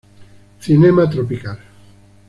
Cinema Tropical.